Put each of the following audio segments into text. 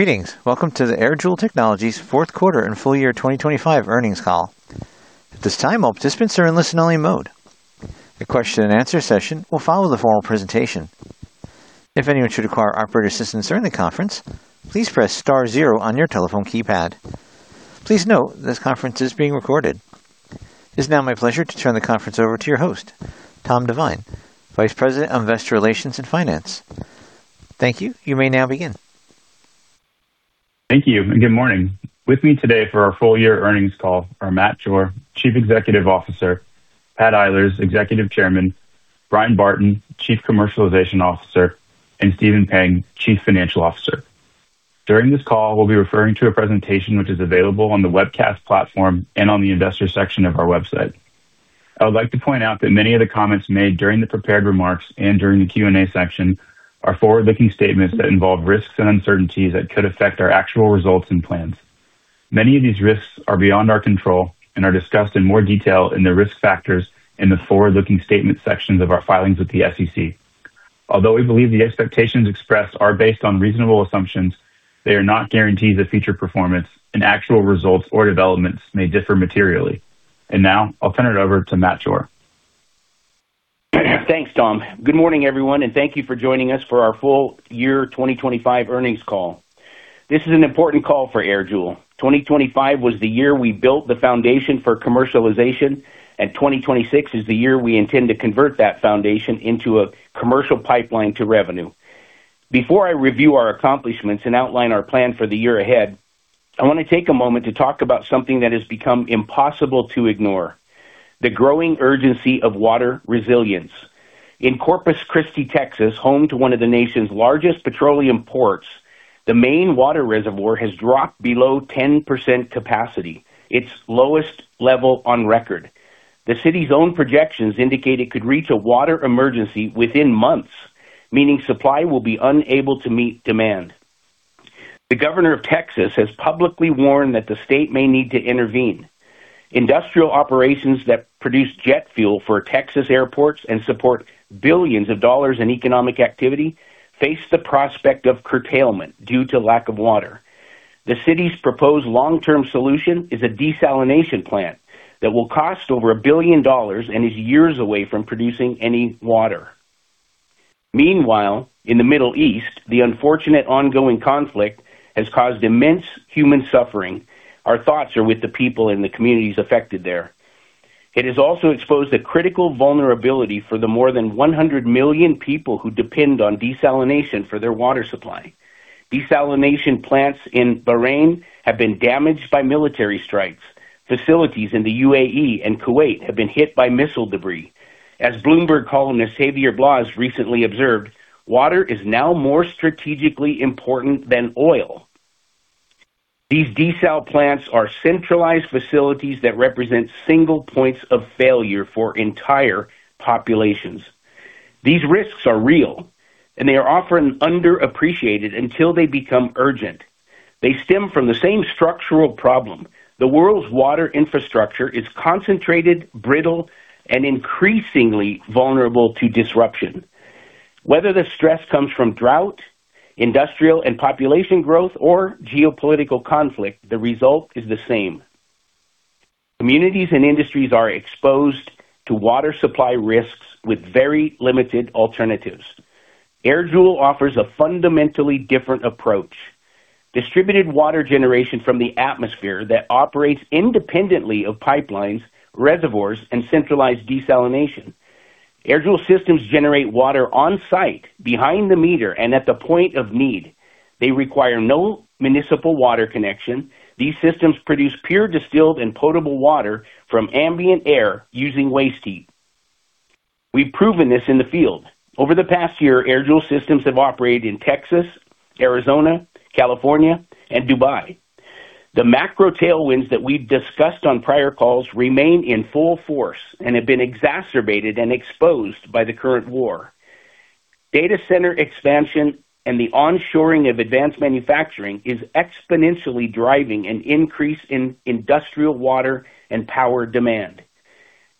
Greetings. Welcome to the AirJoule Technologies fourth quarter and full year 2025 earnings call. At this time, all participants are in listen-only mode. The question and answer session will follow the formal presentation. If anyone should require operator assistance during the conference, please press star zero on your telephone keypad. Please note this conference is being recorded. It is now my pleasure to turn the conference over to your host, Tom Divine, Vice President of Investor Relations and Finance. Thank you. You may now begin. Thank you and good morning. With me today for our full year earnings call are Matt Jore, Chief Executive Officer, Pat Eilers, Executive Chairman, Bryan Barton, Chief Commercialization Officer, and Stephen Pang, Chief Financial Officer. During this call, we'll be referring to a presentation which is available on the webcast platform and on the investor section of our website. I would like to point out that many of the comments made during the prepared remarks and during the Q&A section are forward-looking statements that involve risks and uncertainties that could affect our actual results and plans. Many of these risks are beyond our control and are discussed in more detail in the risk factors in the forward-looking statements sections of our filings with the SEC. Although we believe the expectations expressed are based on reasonable assumptions, they are not guarantees of future performance, and actual results or developments may differ materially. Now I'll turn it over to Matt Jore. Thanks, Tom. Good morning, everyone, and thank you for joining us for our full year 2025 earnings call. This is an important call for AirJoule. 2025 was the year we built the foundation for commercialization, and 2026 is the year we intend to convert that foundation into a commercial pipeline to revenue. Before I review our accomplishments and outline our plan for the year ahead, I want to take a moment to talk about something that has become impossible to ignore, the growing urgency of water resilience. In Corpus Christi, Texas, home to one of the nation's largest petroleum ports, the main water reservoir has dropped below 10% capacity, its lowest level on record. The city's own projections indicate it could reach a water emergency within months, meaning supply will be unable to meet demand. The governor of Texas has publicly warned that the state may need to intervene. Industrial operations that produce jet fuel for Texas airports and support billions of dollars in economic activity face the prospect of curtailment due to lack of water. The city's proposed long-term solution is a desalination plant that will cost over $1 billion and is years away from producing any water. Meanwhile, in the Middle East, the unfortunate ongoing conflict has caused immense human suffering. Our thoughts are with the people and the communities affected there. It has also exposed a critical vulnerability for the more than 100 million people who depend on desalination for their water supply. Desalination plants in Bahrain have been damaged by military strikes. Facilities in the UAE and Kuwait have been hit by missile debris. As Bloomberg columnist Javier Blas recently observed, water is now more strategically important than oil. These desal plants are centralized facilities that represent single points of failure for entire populations. These risks are real, and they are often underappreciated until they become urgent. They stem from the same structural problem. The world's water infrastructure is concentrated, brittle, and increasingly vulnerable to disruption. Whether the stress comes from drought, industrial and population growth, or geopolitical conflict, the result is the same. Communities and industries are exposed to water supply risks with very limited alternatives. AirJoule offers a fundamentally different approach, distributed water generation from the atmosphere that operates independently of pipelines, reservoirs, and centralized desalination. AirJoule systems generate water on-site, behind the meter, and at the point of need. They require no municipal water connection. These systems produce pure, distilled, and potable water from ambient air using waste heat. We've proven this in the field. Over the past year, AirJoule systems have operated in Texas, Arizona, California, and Dubai. The macro tailwinds that we've discussed on prior calls remain in full force and have been exacerbated and exposed by the current war. Data center expansion and the onshoring of advanced manufacturing is exponentially driving an increase in industrial water and power demand.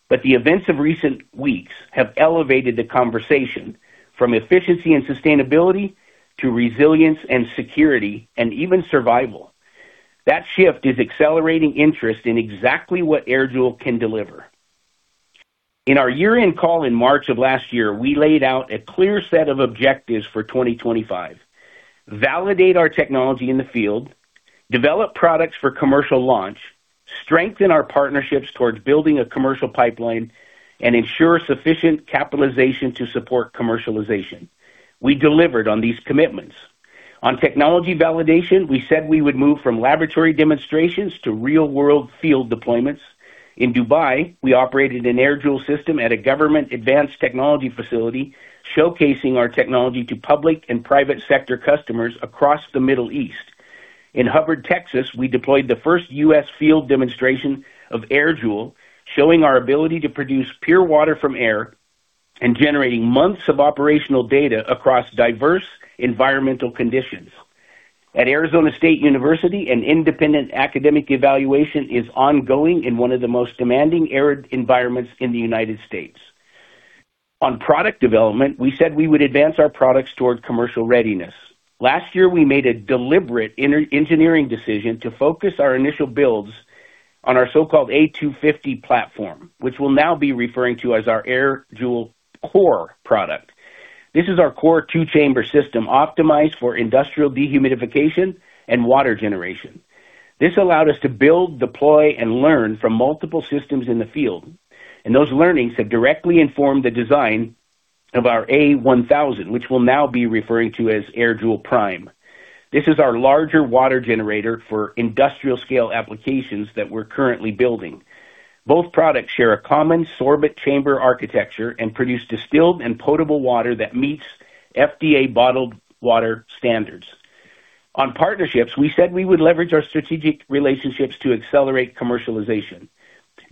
The events of recent weeks have elevated the conversation from efficiency and sustainability to resilience and security and even survival. That shift is accelerating interest in exactly what AirJoule can deliver. In our year-end call in March of last year, we laid out a clear set of objectives for 2025. Validate our technology in the field, develop products for commercial launch, strengthen our partnerships towards building a commercial pipeline, and ensure sufficient capitalization to support commercialization. We delivered on these commitments. On technology validation, we said we would move from laboratory demonstrations to real-world field deployments. In Dubai, we operated an AirJoule system at a government advanced technology facility, showcasing our technology to public and private sector customers across the Middle East. In Hubbard, Texas, we deployed the first U.S. field demonstration of AirJoule, showing our ability to produce pure water from air and generating months of operational data across diverse environmental conditions. At Arizona State University, an independent academic evaluation is ongoing in one of the most demanding arid environments in the United States. On product development, we said we would advance our products toward commercial readiness. Last year, we made a deliberate engineering decision to focus our initial builds on our so-called A250 platform, which we'll now be referring to as our AirJoule Core product. This is our core two-chamber system optimized for industrial dehumidification and water generation. This allowed us to build, deploy, and learn from multiple systems in the field, and those learnings have directly informed the design of our A1000, which we'll now be referring to as AirJoule Prime. This is our larger water generator for industrial scale applications that we're currently building. Both products share a common sorbent chamber architecture and produce distilled and potable water that meets FDA bottled water standards. On partnerships, we said we would leverage our strategic relationships to accelerate commercialization.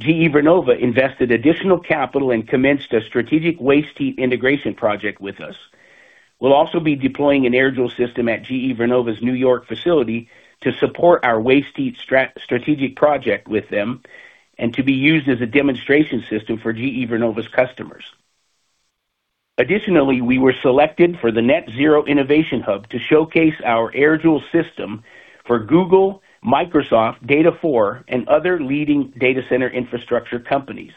GE Vernova invested additional capital and commenced a strategic waste heat integration project with us. We'll also be deploying an AirJoule system at GE Vernova's New York facility to support our waste heat strategic project with them and to be used as a demonstration system for GE Vernova's customers. Additionally, we were selected for the NetZero Innovation Hub to showcase our AirJoule system for Google, Microsoft, Data4, and other leading data center infrastructure companies.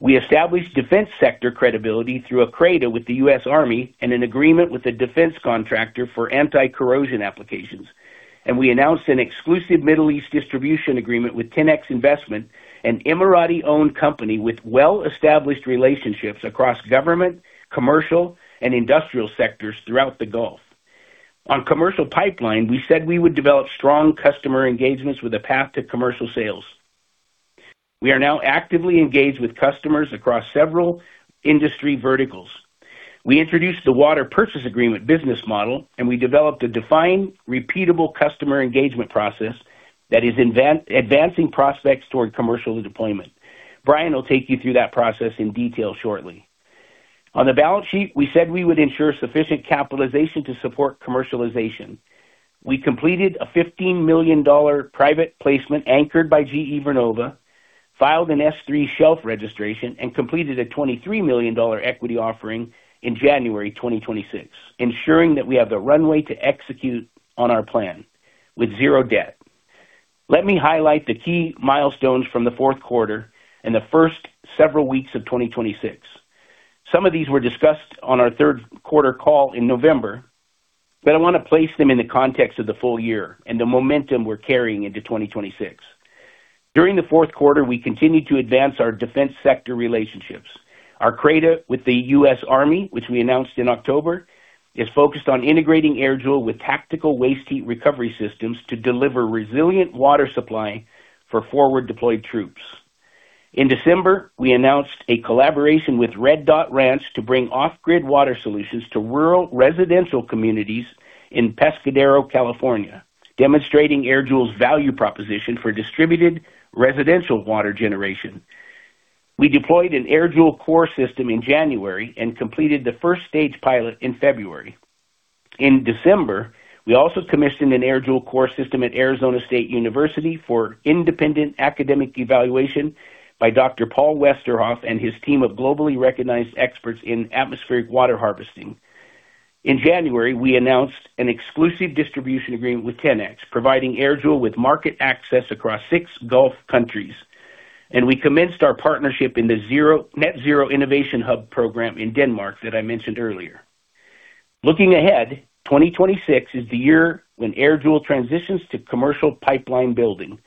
We established defense sector credibility through a CRADA with the U.S. Army and an agreement with a defense contractor for anti-corrosion applications. We announced an exclusive Middle East distribution agreement with TenX Investment, an Emirati-owned company with well-established relationships across government, commercial, and industrial sectors throughout the Gulf. On commercial pipeline, we said we would develop strong customer engagements with a path to commercial sales. We are now actively engaged with customers across several industry verticals. We introduced the water purchase agreement business model, and we developed a defined, repeatable customer engagement process that is advancing prospects toward commercial deployment. Bryan will take you through that process in detail shortly. On the balance sheet, we said we would ensure sufficient capitalization to support commercialization. We completed a $15 million private placement anchored by GE Vernova, filed an S-3 shelf registration, and completed a $23 million equity offering in January 2026, ensuring that we have the runway to execute on our plan with zero debt. Let me highlight the key milestones from the fourth quarter and the first several weeks of 2026. Some of these were discussed on our third quarter call in November, but I want to place them in the context of the full year and the momentum we're carrying into 2026. During the fourth quarter, we continued to advance our defense sector relationships. Our CRADA with the U.S. Army, which we announced in October, is focused on integrating AirJoule with tactical waste heat recovery systems to deliver resilient water supply for forward deployed troops. In December, we announced a collaboration with Red Dot Ranch to bring off-grid water solutions to rural residential communities in Pescadero, California, demonstrating AirJoule's value proposition for distributed residential water generation. We deployed an AirJoule Core system in January and completed the first stage pilot in February. In December, we also commissioned an AirJoule Core system at Arizona State University for independent academic evaluation by Dr. Paul Westerhoff and his team of globally recognized experts in atmospheric water harvesting. In January, we announced an exclusive distribution agreement with TenX, providing AirJoule with market access across six Gulf countries, and we commenced our partnership in the NetZero Innovation Hub program in Denmark that I mentioned earlier. Looking ahead, 2026 is the year when AirJoule transitions to commercial pipeline building.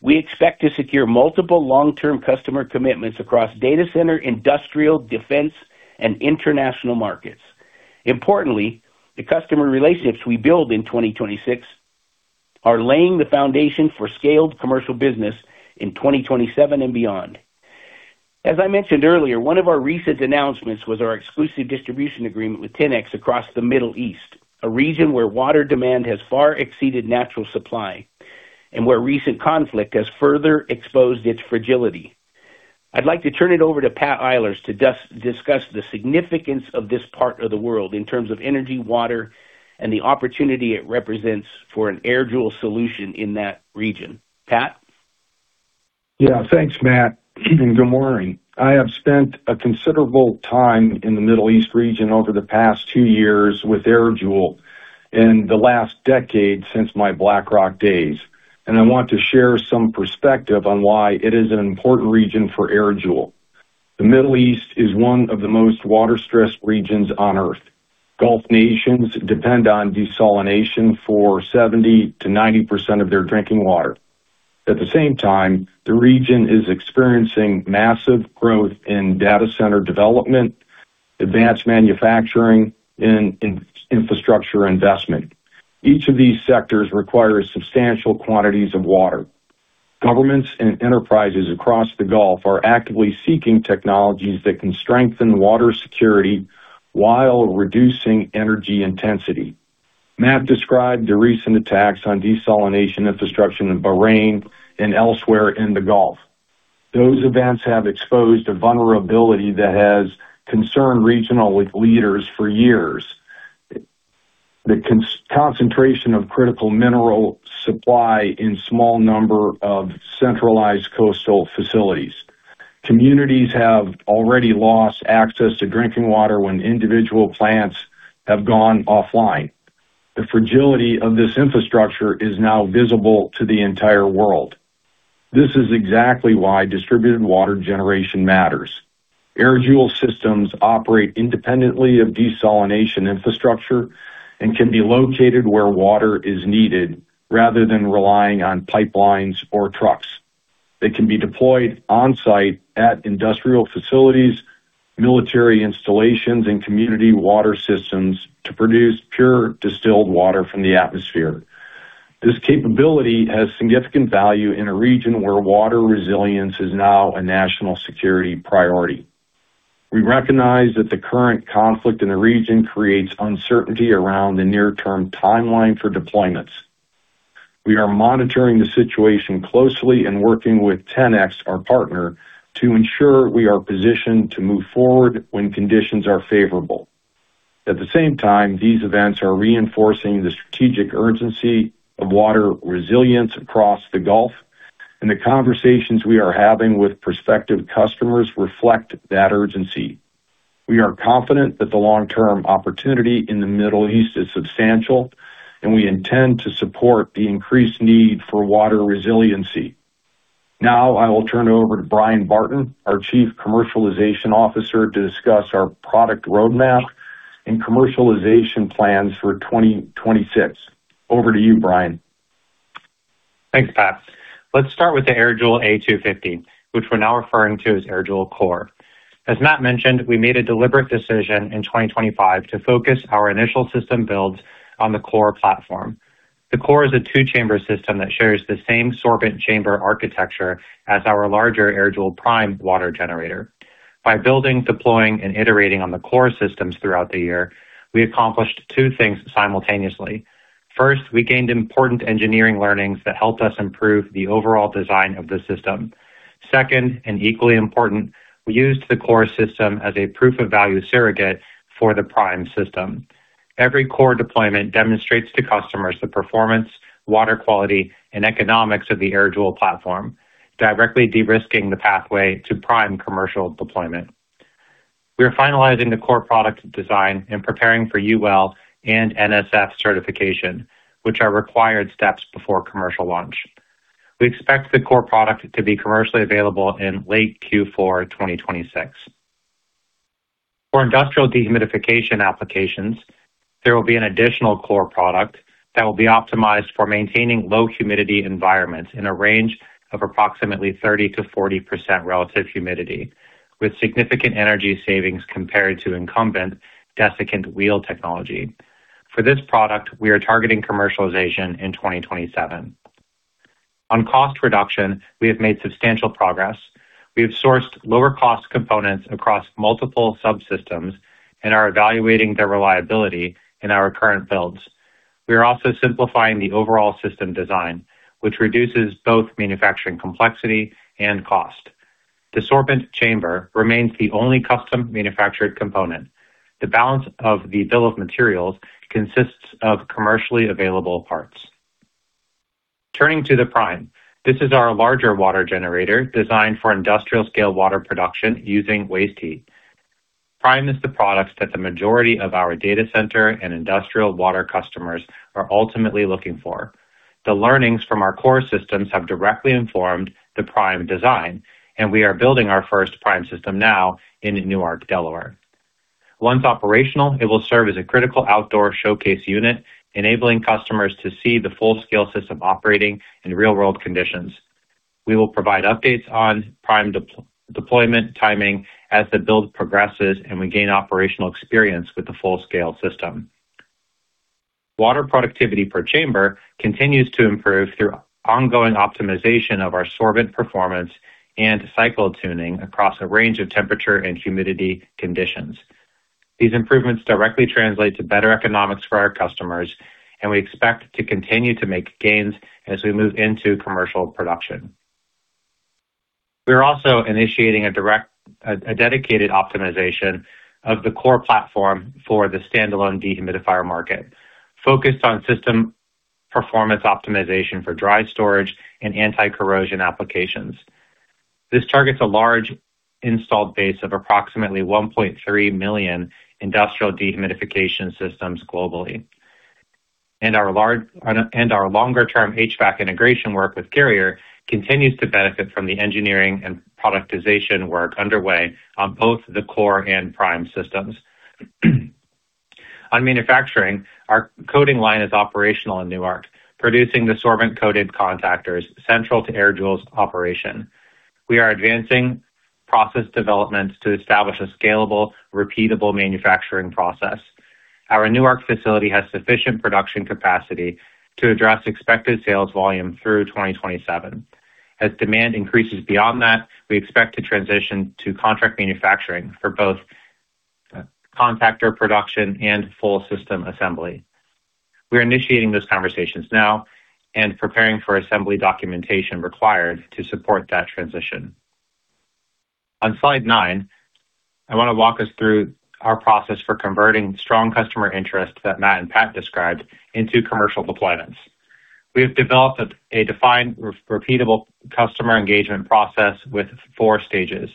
We expect to secure multiple long term customer commitments across data center, industrial, defense, and international markets. Importantly, the customer relationships we build in 2026 are laying the foundation for scaled commercial business in 2027 and beyond. As I mentioned earlier, one of our recent announcements was our exclusive distribution agreement with TenX across the Middle East, a region where water demand has far exceeded natural supply and where recent conflict has further exposed its fragility. I'd like to turn it over to Pat Eilers to discuss the significance of this part of the world in terms of energy, water, and the opportunity it represents for an AirJoule solution in that region. Pat? Yeah, thanks, Matt. Good morning. I have spent a considerable time in the Middle East region over the past 2 years with AirJoule in the last decade since my BlackRock days, and I want to share some perspective on why it is an important region for AirJoule. The Middle East is one of the most water stressed regions on Earth. Gulf nations depend on desalination for 70%-90% of their drinking water. At the same time, the region is experiencing massive growth in data center development, advanced manufacturing, and infrastructure investment. Each of these sectors requires substantial quantities of water. Governments and enterprises across the Gulf are actively seeking technologies that can strengthen water security while reducing energy intensity. Matt described the recent attacks on desalination infrastructure in Bahrain and elsewhere in the Gulf. Those events have exposed a vulnerability that has concerned regional leaders for years. The concentration of critical mineral supply in a small number of centralized coastal facilities. Communities have already lost access to drinking water when individual plants have gone offline. The fragility of this infrastructure is now visible to the entire world. This is exactly why distributed water generation matters. AirJoule systems operate independently of desalination infrastructure and can be located where water is needed rather than relying on pipelines or trucks. They can be deployed on-site at industrial facilities, military installations, and community water systems to produce pure, distilled water from the atmosphere. This capability has significant value in a region where water resilience is now a national security priority. We recognize that the current conflict in the region creates uncertainty around the near-term timeline for deployments. We are monitoring the situation closely and working with TenX, our partner, to ensure we are positioned to move forward when conditions are favorable. At the same time, these events are reinforcing the strategic urgency of water resilience across the Gulf, and the conversations we are having with prospective customers reflect that urgency. We are confident that the long-term opportunity in the Middle East is substantial, and we intend to support the increased need for water resiliency. Now, I will turn it over to Bryan Barton, our Chief Commercialization Officer, to discuss our product roadmap and commercialization plans for 2026. Over to you, Bryan. Thanks, Pat. Let's start with the AirJoule A250, which we're now referring to as AirJoule Core. As Matt mentioned, we made a deliberate decision in 2025 to focus our initial system builds on the Core platform. The Core is a two-chamber system that shares the same sorbent chamber architecture as our larger AirJoule Prime water generator. By building, deploying, and iterating on the Core systems throughout the year, we accomplished two things simultaneously. First, we gained important engineering learnings that helped us improve the overall design of the system. Second, and equally important, we used the Core system as a proof of value surrogate for the Prime system. Every Core deployment demonstrates to customers the performance, water quality, and economics of the AirJoule platform, directly de-risking the pathway to Prime commercial deployment. We are finalizing the Core product design and preparing for UL and NSF certification, which are required steps before commercial launch. We expect the Core product to be commercially available in late Q4 2026. For industrial dehumidification applications, there will be an additional Core product that will be optimized for maintaining low humidity environments in a range of approximately 30%-40% relative humidity, with significant energy savings compared to incumbent desiccant wheel technology. For this product, we are targeting commercialization in 2027. On cost reduction, we have made substantial progress. We have sourced lower cost components across multiple subsystems and are evaluating their reliability in our current builds. We are also simplifying the overall system design, which reduces both manufacturing complexity and cost. The sorbent chamber remains the only custom manufactured component. The balance of the bill of materials consists of commercially available parts. Turning to the Prime, this is our larger water generator designed for industrial scale water production using waste heat. Prime is the product that the majority of our data center and industrial water customers are ultimately looking for. The learnings from our Core systems have directly informed the Prime design, and we are building our first Prime system now in Newark, Delaware. Once operational, it will serve as a critical outdoor showcase unit, enabling customers to see the full-scale system operating in real world conditions. We will provide updates on Prime deployment timing as the build progresses and we gain operational experience with the full-scale system. Water productivity per chamber continues to improve through ongoing optimization of our sorbent performance and cycle tuning across a range of temperature and humidity conditions. These improvements directly translate to better economics for our customers, and we expect to continue to make gains as we move into commercial production. We are also initiating a dedicated optimization of the Core platform for the standalone dehumidifier market, focused on system performance optimization for dry storage and anti-corrosion applications. This targets a large installed base of approximately 1.3 million industrial dehumidification systems globally. Our longer-term HVAC integration work with Carrier continues to benefit from the engineering and productization work underway on both the Core and Prime systems. On manufacturing, our coating line is operational in Newark, producing the sorbent-coated contactors central to AirJoule's operation. We are advancing process developments to establish a scalable, repeatable manufacturing process. Our Newark facility has sufficient production capacity to address expected sales volume through 2027. As demand increases beyond that, we expect to transition to contract manufacturing for both contactor production and full system assembly. We are initiating those conversations now and preparing for assembly documentation required to support that transition. On slide 9, I want to walk us through our process for converting strong customer interest that Matt and Pat described into commercial deployments. We have developed a defined repeatable customer engagement process with 4 stages.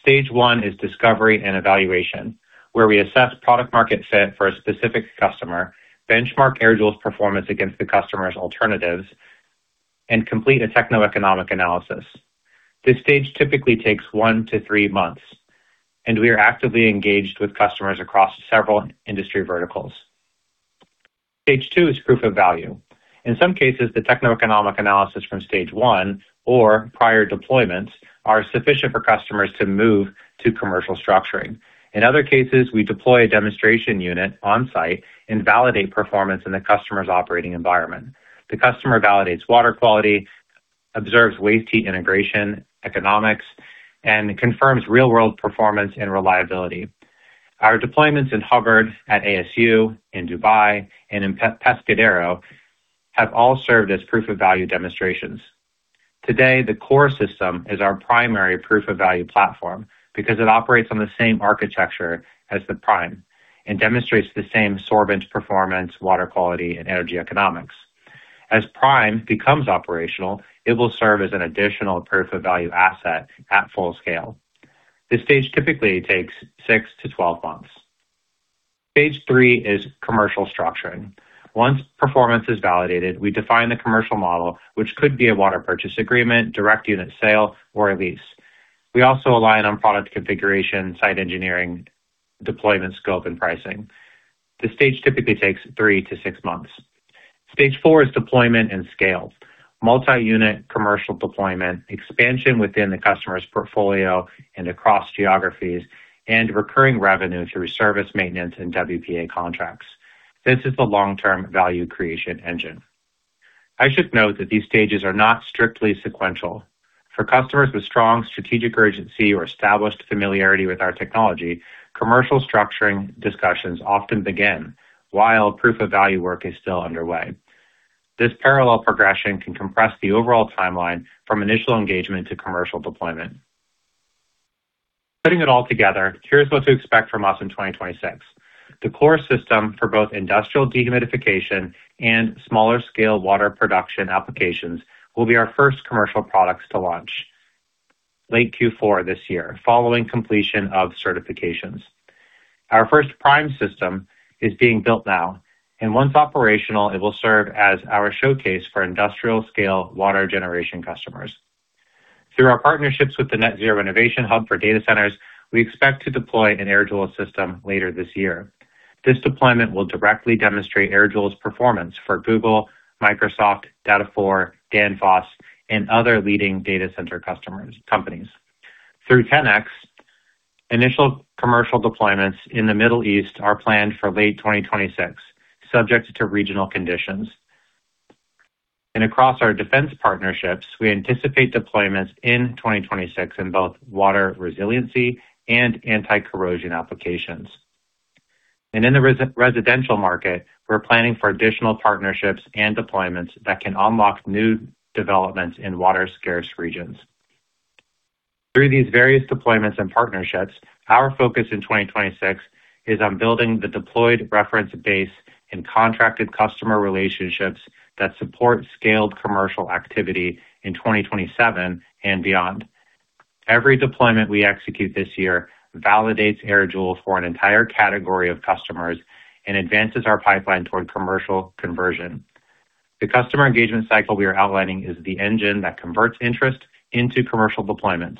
Stage 1 is discovery and evaluation, where we assess product market fit for a specific customer, benchmark AirJoule's performance against the customer's alternatives, and complete a techno-economic analysis. This stage typically takes 1-3 months, and we are actively engaged with customers across several industry verticals. Stage 2 is proof of value. In some cases, the techno-economic analysis from stage 1 or prior deployments are sufficient for customers to move to commercial structuring. In other cases, we deploy a demonstration unit on site and validate performance in the customer's operating environment. The customer validates water quality, observes waste heat integration, economics, and confirms real-world performance and reliability. Our deployments in Hubbard, at ASU, in Dubai, and in Pescadero have all served as proof of value demonstrations. Today, the core system is our primary proof of value platform because it operates on the same architecture as the Prime and demonstrates the same sorbent performance, water quality, and energy economics. As Prime becomes operational, it will serve as an additional proof of value asset at full scale. This stage typically takes 6-12 months. Stage 3 is commercial structuring. Once performance is validated, we define the commercial model, which could be a water purchase agreement, direct unit sale, or a lease. We also align on product configuration, site engineering, deployment scope, and pricing. This stage typically takes 3-6 months. Stage four is deployment and scale, multi-unit commercial deployment, expansion within the customer's portfolio and across geographies, and recurring revenue through service maintenance and WPA contracts. This is the long-term value creation engine. I should note that these stages are not strictly sequential. For customers with strong strategic urgency or established familiarity with our technology, commercial structuring discussions often begin while proof of value work is still underway. This parallel progression can compress the overall timeline from initial engagement to commercial deployment. Putting it all together, here's what to expect from us in 2026. The core system for both industrial dehumidification and smaller scale water production applications will be our first commercial products to launch late Q4 this year, following completion of certifications. Our first Prime system is being built now, and once operational, it will serve as our showcase for industrial scale water generation customers. Through our partnerships with the Net Zero Innovation Hub for Data Centers, we expect to deploy an AirJoule system later this year. This deployment will directly demonstrate AirJoule's performance for Google, Microsoft, Data4, Danfoss, and other leading data center customers, companies. Through TenX, initial commercial deployments in the Middle East are planned for late 2026, subject to regional conditions. Across our defense partnerships, we anticipate deployments in 2026 in both water resiliency and anti-corrosion applications. In the residential market, we're planning for additional partnerships and deployments that can unlock new developments in water-scarce regions. Through these various deployments and partnerships, our focus in 2026 is on building the deployed reference base and contracted customer relationships that support scaled commercial activity in 2027 and beyond. Every deployment we execute this year validates AirJoule for an entire category of customers and advances our pipeline toward commercial conversion. The customer engagement cycle we are outlining is the engine that converts interest into commercial deployments.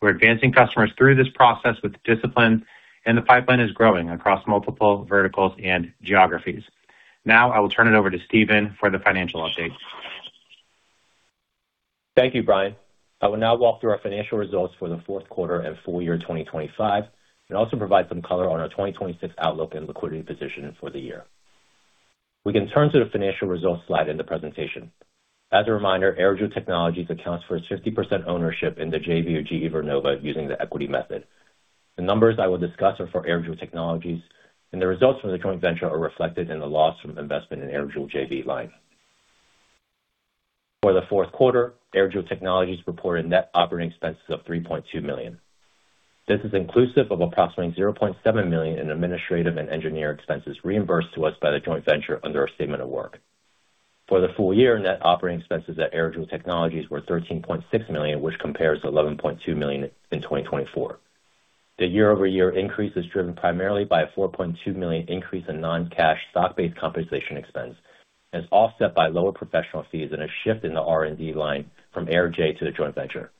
We're advancing customers through this process with discipline, and the pipeline is growing across multiple verticals and geographies. Now I will turn it over to Stephen for the financial update. Thank you, Bryan. I will now walk through our financial results for the fourth quarter and full year 2025 and also provide some color on our 2026 outlook and liquidity position for the year. We can turn to the financial results slide in the presentation. As a reminder, AirJoule Technologies accounts for its 50% ownership in the JV of GE Vernova using the equity method. The numbers I will discuss are for AirJoule Technologies, and the results from the joint venture are reflected in the loss from investment in AirJoule JV line. For the fourth quarter, AirJoule Technologies reported net operating expenses of $3.2 million. This is inclusive of approximately $0.7 million in administrative and engineering expenses reimbursed to us by the joint venture under our statement of work. For the full year, net operating expenses at AirJoule Technologies were $13.6 million, which compares to $11.2 million in 2024. The year-over-year increase is driven primarily by a $4.2 million increase in non-cash stock-based compensation expense and is offset by lower professional fees and a shift in the R&D line from AirJoule to the joint venture.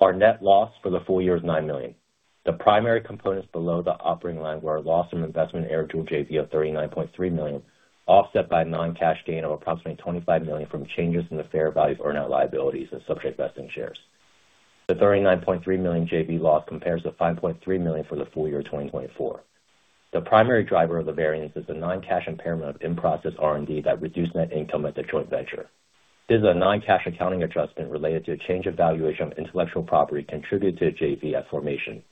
Our net loss for the full year is $9 million. The primary components below the operating line were a loss from investment in AirJoule JV of $39.3 million, offset by a non-cash gain of approximately $25 million from changes in the fair value of earnout liabilities and subject vesting shares. The $39.3 million JV loss compares to $5.3 million for the full year 2024. The primary driver of the variance is the non-cash impairment of in-process R&D that reduced net income at the joint venture. This is a non-cash accounting adjustment related to a change of valuation of intellectual property contributed to the JV at formation.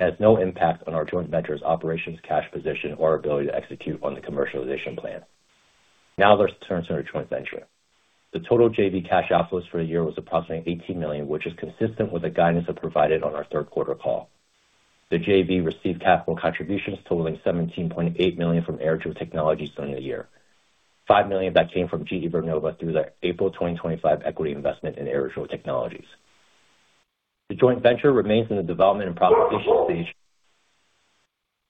It has no impact on our joint venture's operations, cash position, or ability to execute on the commercialization plan. Now let's turn to our joint venture. The total JV cash outflows for the year was approximately $18 million, which is consistent with the guidance we provided on our third quarter call. The JV received capital contributions totaling $17.8 million from AirJoule Technologies during the year. $5 million of that came from GE Vernova through their April 2025 equity investment in AirJoule Technologies. The joint venture remains in the development and proposition stage,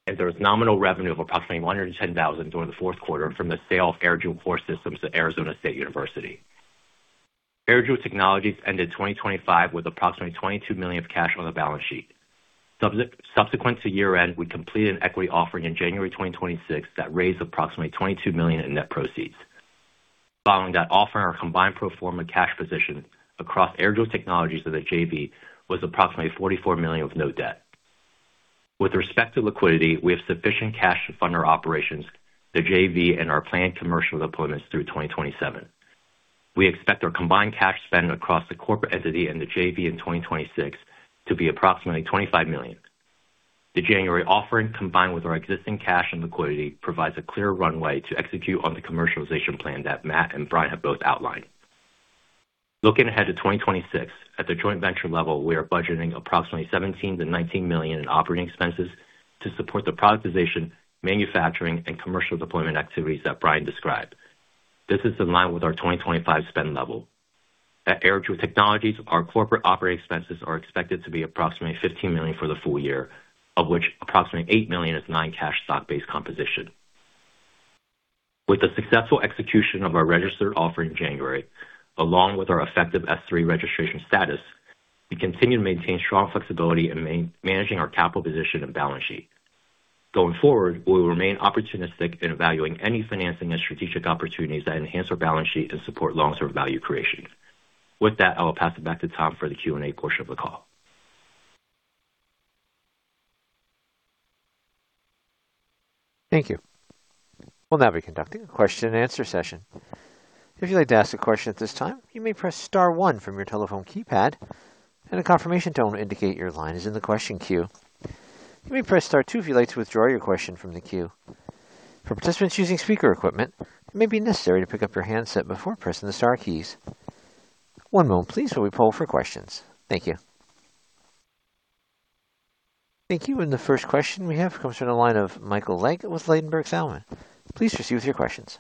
and there was nominal revenue of approximately $110,000 during the fourth quarter from the sale of AirJoule Core systems to Arizona State University. AirJoule Technologies ended 2025 with approximately $22 million of cash on the balance sheet. Subsequent to year-end, we completed an equity offering in January 2026 that raised approximately $22 million in net proceeds. Following that offering, our combined pro forma cash position across AirJoule Technologies and the JV was approximately $44 million with no debt. With respect to liquidity, we have sufficient cash to fund our operations, the JV and our planned commercial deployments through 2027. We expect our combined cash spend across the corporate entity and the JV in 2026 to be approximately $25 million. The January offering, combined with our existing cash and liquidity, provides a clear runway to execute on the commercialization plan that Matt and Bryan have both outlined. Looking ahead to 2026, at the joint venture level, we are budgeting approximately $17 million-$19 million in operating expenses to support the productization, manufacturing and commercial deployment activities that Bryan described. This is in line with our 2025 spend level. At AirJoule Technologies, our corporate operating expenses are expected to be approximately $15 million for the full year, of which approximately $8 million is non-cash stock-based compensation. With the successful execution of our registered offering in January, along with our effective S-3 registration status, we continue to maintain strong flexibility in managing our capital position and balance sheet. Going forward, we will remain opportunistic in evaluating any financing and strategic opportunities that enhance our balance sheet and support long-term value creation. With that, I will pass it back to Tom for the Q&A portion of the call. Thank you. We'll now be conducting a question-and-answer session. If you'd like to ask a question at this time, you may press star one from your telephone keypad, and a confirmation tone will indicate your line is in the question queue. You may press star two if you'd like to withdraw your question from the queue. For participants using speaker equipment, it may be necessary to pick up your handset before pressing the star keys. One moment please, while we poll for questions. Thank you. Thank you. The first question we have comes from the line of Michael Legg with Ladenburg Thalmann. Please proceed with your questions.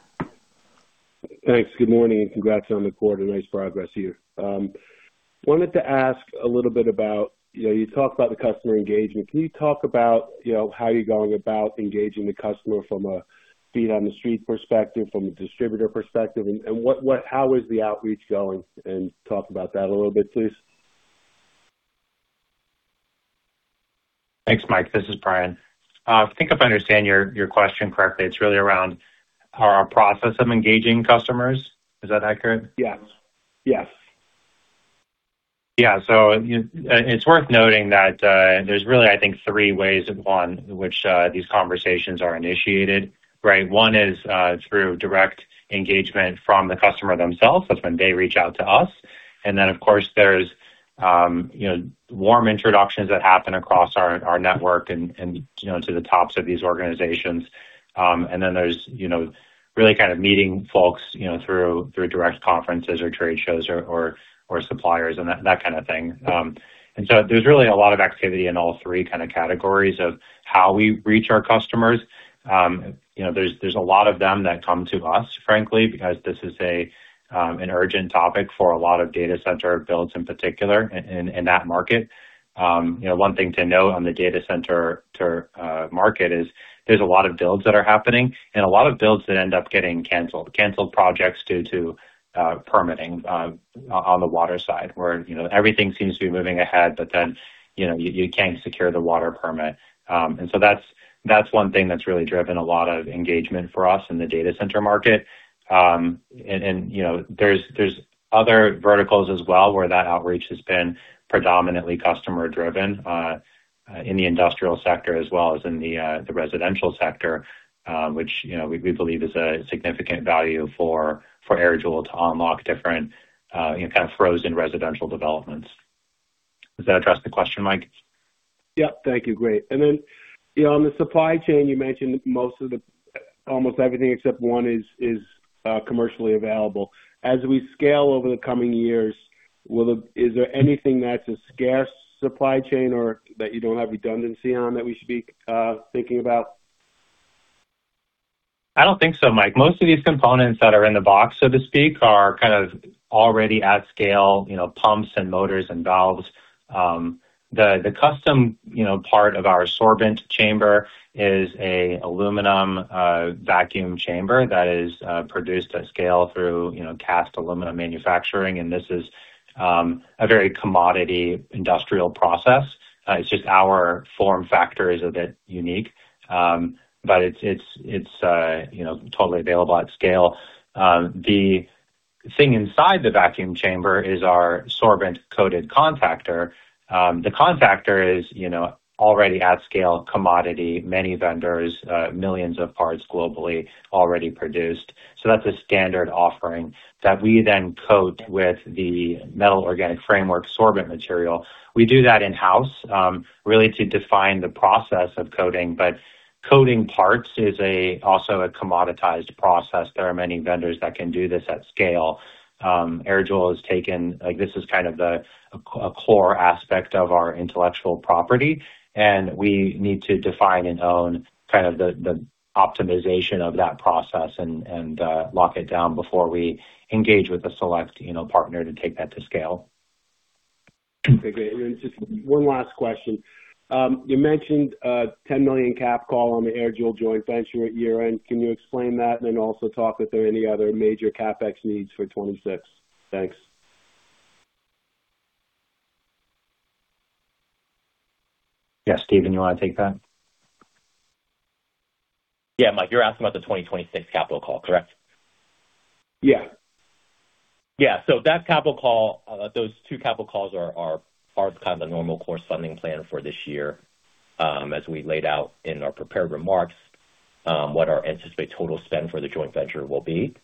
Thanks. Good morning, and congrats on the quarter. Nice progress here. Wanted to ask a little bit about, you know, you talked about the customer engagement. Can you talk about, you know, how you're going about engaging the customer from a feet on the street perspective, from a distributor perspective, and how is the outreach going? Talk about that a little bit, please. Thanks, Michael. This is Bryan. I think if I understand your question correctly, it's really around our process of engaging customers. Is that accurate? Yes. Yes. Yeah. It's worth noting that there's really, I think, three ways in which these conversations are initiated, right? One is through direct engagement from the customer themselves. That's when they reach out to us. Of course, there's you know, warm introductions that happen across our network and you know, to the tops of these organizations. Then there's really kind of meeting folks you know, through direct conferences or trade shows or suppliers and that kind of thing. There's really a lot of activity in all three kind of categories of how we reach our customers. You know, there's a lot of them that come to us, frankly, because this is an urgent topic for a lot of data center builds in particular in that market. You know, one thing to note on the data center market is there's a lot of builds that are happening and a lot of builds that end up getting canceled due to permitting on the water side, where you know, everything seems to be moving ahead, but then, you know, you can't secure the water permit. That's one thing that's really driven a lot of engagement for us in the data center market. You know, there's other verticals as well, where that outreach has been predominantly customer driven in the industrial sector as well as in the residential sector, which, you know, we believe is a significant value for AirJoule to unlock different, you know, kind of frozen residential developments. Does that address the question, Mike? Yep. Thank you. Great. You know, on the supply chain, you mentioned almost everything except one is commercially available. As we scale over the coming years, is there anything that's a scarce supply chain or that you don't have redundancy on that we should be thinking about? I don't think so, Mike. Most of these components that are in the box, so to speak, are kind of already at scale, you know, pumps and motors and valves. The custom part of our sorbent chamber is an aluminum vacuum chamber that is produced at scale through cast aluminum manufacturing. This is a very commodity industrial process. It's just our form factor is a bit unique. It's totally available at scale. The thing inside the vacuum chamber is our sorbent-coated contactor. The contactor is already at scale commodity, many vendors, millions of parts globally already produced. That's a standard offering that we then coat with the metal-organic framework sorbent material. We do that in-house, really to define the process of coating. Coding parts is also a commoditized process. There are many vendors that can do this at scale. AirJoule has taken, like this is kind of a core aspect of our intellectual property, and we need to define and own kind of the optimization of that process and lock it down before we engage with a select, you know, partner to take that to scale. Okay, great. Just one last question. You mentioned a $10 million cap call on the AirJoule joint venture at year-end. Can you explain that and then also talk if there are any other major CapEx needs for 2026? Thanks. Yeah. Stephen, you wanna take that? Yeah. Mike, you're asking about the 2026 capital call, correct? Yeah. Yeah. That capital call, those two capital calls are kind of the normal course funding plan for this year, as we laid out in our prepared remarks, what our anticipated total spend for the joint venture will be.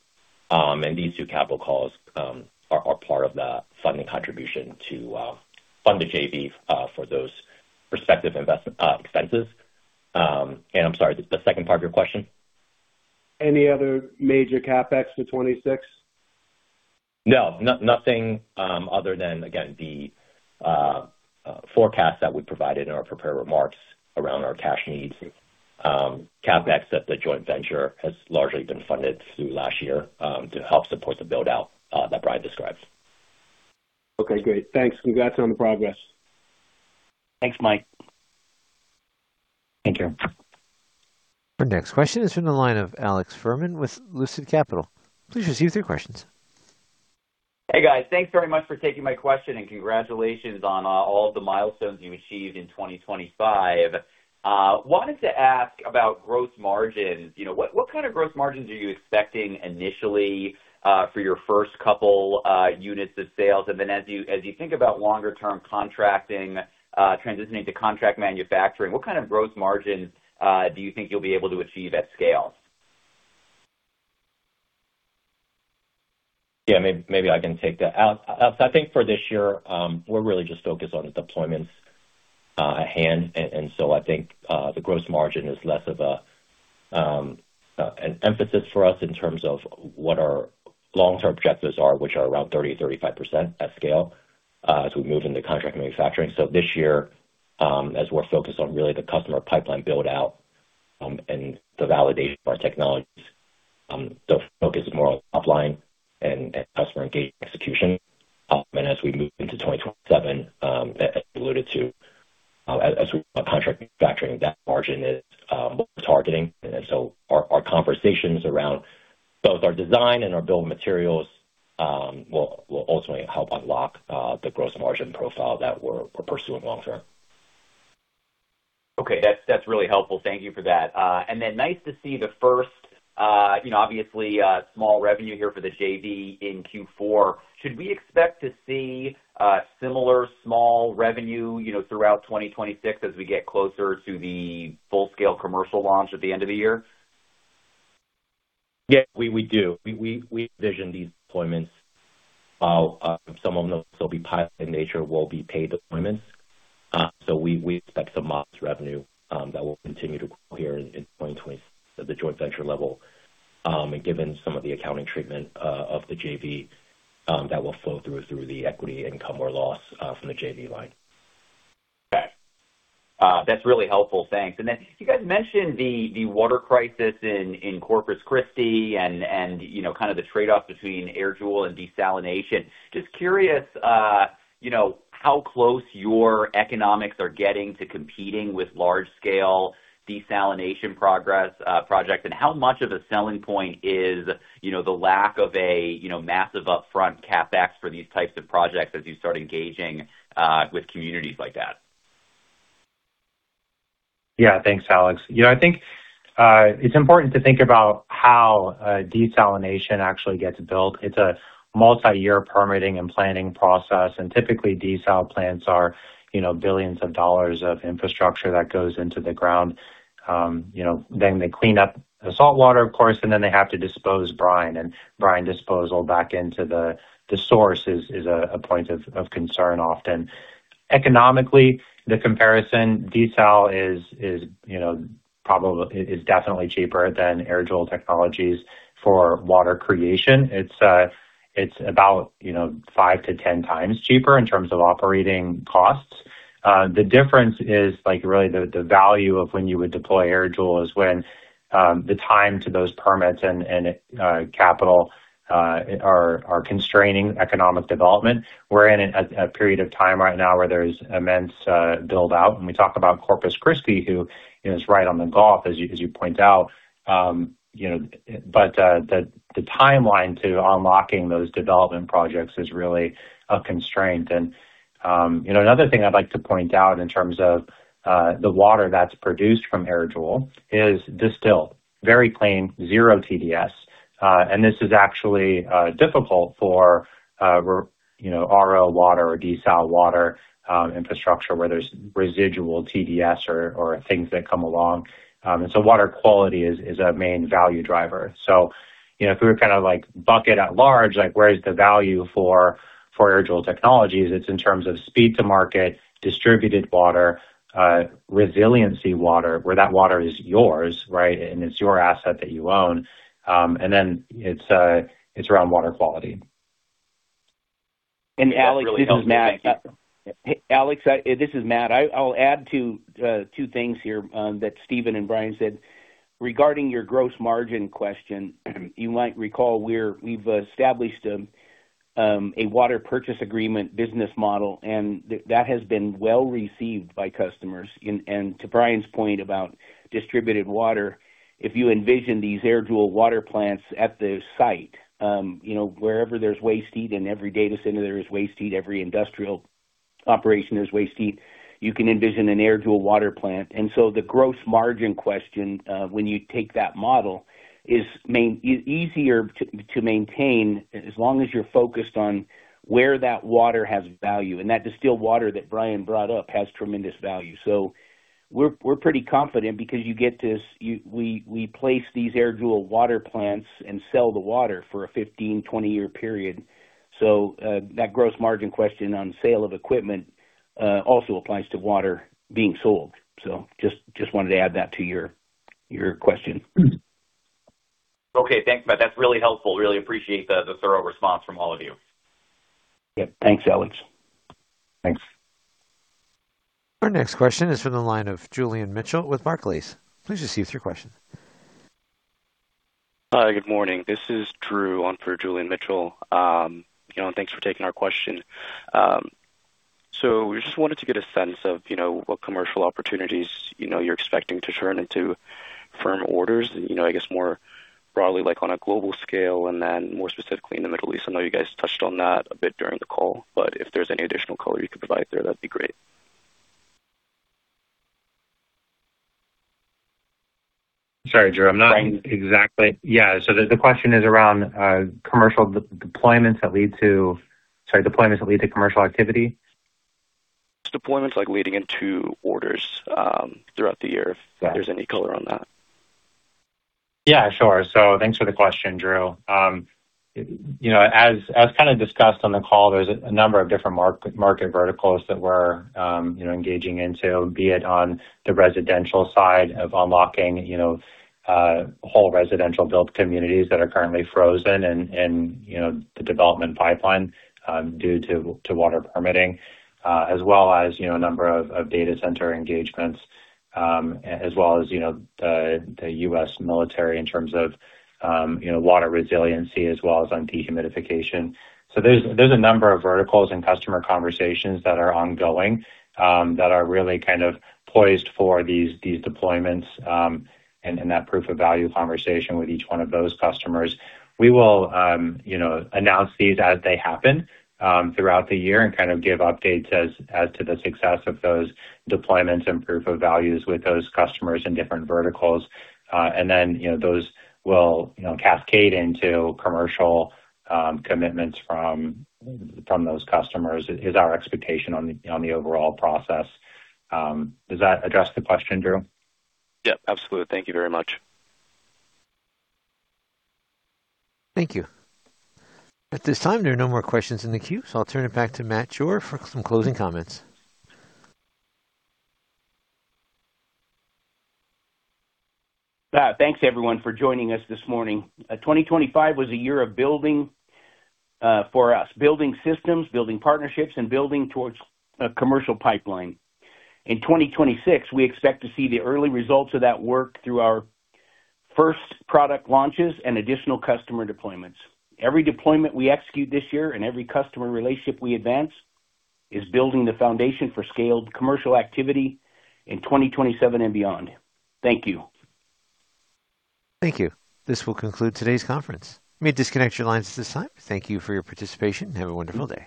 These two capital calls are part of the funding contribution to fund the JV for those respective expenses. I'm sorry, the second part of your question? Any other major CapEx to 2026? No. Nothing other than, again, the forecast that we provided in our prepared remarks around our cash needs. CapEx at the joint venture has largely been funded through last year, to help support the build-out that Bryan described. Okay, great. Thanks. Congrats on the progress. Thanks, Mike. Thank you. Our next question is from the line of Alex Fuhrman with Lucid Capital Markets. Please proceed with your question. Hey, guys. Thanks very much for taking my question and congratulations on all of the milestones you achieved in 2025. Wanted to ask about gross margins. You know, what kind of gross margins are you expecting initially for your first couple units of sales? Then as you think about longer term contracting, transitioning to contract manufacturing, what kind of gross margins do you think you'll be able to achieve at scale? Yeah, maybe I can take that. Alex, I think for this year, we're really just focused on the deployments at hand. I think the gross margin is less of an emphasis for us in terms of what our long-term objectives are, which are around 30%-35% at scale, as we move into contract manufacturing. This year, as we're focused on really the customer pipeline build-out and the validation of our technologies, the focus is more on offline and customer engagement execution. As we move into 2027, as we alluded to, as we contract manufacturing, that margin is what we're targeting. Our conversations around both our design and our bill of materials will ultimately help unlock the gross margin profile that we're pursuing long term. Okay. That's really helpful. Thank you for that. Nice to see the first, you know, obviously, small revenue here for the JV in Q4. Should we expect to see similar small revenue, you know, throughout 2026 as we get closer to the full scale commercial launch at the end of the year? Yeah, we do. We envision these deployments, some of them, they'll be pilot in nature, will be paid deployments. So we expect some modest revenue that will continue to grow here in 2026 at the joint venture level. Given some of the accounting treatment of the JV, that will flow through the equity income or loss from the JV line. Okay. That's really helpful. Thanks. Then you guys mentioned the water crisis in Corpus Christi and, you know, kind of the trade-off between AirJoule and desalination. Just curious, you know, how close your economics are getting to competing with large-scale desalination projects, and how much of a selling point is, you know, the lack of a massive upfront CapEx for these types of projects as you start engaging with communities like that? Yeah. Thanks, Alex. You know, I think it's important to think about how desalination actually gets built. It's a multi-year permitting and planning process, and typically, desal plants are you know, billions of dollars of infrastructure that goes into the ground. You know, then they clean up the saltwater, of course, and then they have to dispose of brine. Brine disposal back into the source is a point of concern often. Economically, the comparison, desal is you know, definitely cheaper than AirJoule Technologies for water creation. It's it's about you know, 5-10 times cheaper in terms of operating costs. The difference is like, really the value of when you would deploy AirJoule is when the time to those permits and capital are constraining economic development. We're in a period of time right now where there's immense build out and we talk about Corpus Christi, who is right on the Gulf, as you point out. You know, the timeline to unlocking those development projects is really a constraint. You know, another thing I'd like to point out in terms of the water that's produced from AirJoule is distilled, very clean, 0 TDS. This is actually difficult for you know, RO water or desal water infrastructure where there's residual TDS or things that come along. Water quality is a main value driver. You know, if we were kind of like bucket at large, like, where is the value for AirJoule Technologies? It's in terms of speed to market, distributed water, resiliency water, where that water is yours, right? It's around water quality. Alex, this is Matt. I'll add to two things here that Stephen and Bryan said. Regarding your gross margin question, you might recall we've established a water purchase agreement business model, and that has been well received by customers. To Bryan's point about distributed water, if you envision these AirJoule water plants at the site, you know, wherever there's waste heat, in every data center there is waste heat, every industrial operation there's waste heat, you can envision an AirJoule water plant. The gross margin question, when you take that model is easier to maintain as long as you're focused on where that water has value. That distilled water that Bryan brought up has tremendous value. We're pretty confident because we place these AirJoule water plants and sell the water for a 15-20 year period. That gross margin question on sale of equipment also applies to water being sold. Just wanted to add that to your question. Okay. Thanks, Matt. That's really helpful. Really appreciate the thorough response from all of you. Yeah. Thanks, Alex. Thanks. Our next question is from the line of Julian Mitchell with Barclays. Please proceed with your question. Hi, good morning. This is Drew on for Julian Mitchell. You know, thanks for taking our question. We just wanted to get a sense of, you know, what commercial opportunities, you know, you're expecting to turn into firm orders and, you know, I guess more broadly like on a global scale and then more specifically in the Middle East. I know you guys touched on that a bit during the call, but if there's any additional color you could provide there, that'd be great. Sorry, Drew. I'm not exactly. Yeah. The question is around commercial deployments that lead to commercial activity. Deployments like leading into orders, throughout the year. Got it. If there's any color on that. Yeah, sure. Thanks for the question, Drew. You know, as kind of discussed on the call, there's a number of different market verticals that we're, you know, engaging into, be it on the residential side of unlocking, you know, whole residential built communities that are currently frozen and, you know, the development pipeline, due to water permitting, as well as, you know, a number of data center engagements, as well as, you know, the U.S. military in terms of, you know, water resiliency as well as on dehumidification. There's a number of verticals and customer conversations that are ongoing, that are really kind of poised for these deployments, and that proof of value conversation with each one of those customers. We will, you know, announce these as they happen throughout the year and kind of give updates as to the success of those deployments and proof of values with those customers in different verticals. Then, you know, those will, you know, cascade into commercial commitments from those customers is our expectation on the overall process. Does that address the question, Drew? Yep, absolutely. Thank you very much. Thank you. At this time, there are no more questions in the queue, so I'll turn it back to Matt Jore for some closing comments. Thanks everyone for joining us this morning. 2025 was a year of building, for us, building systems, building partnerships, and building towards a commercial pipeline. In 2026, we expect to see the early results of that work through our first product launches and additional customer deployments. Every deployment we execute this year and every customer relationship we advance is building the foundation for scaled commercial activity in 2027 and beyond. Thank you. Thank you. This will conclude today's conference. You may disconnect your lines at this time. Thank you for your participation and have a wonderful day.